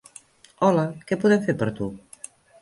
Hola, què podem fer per tu?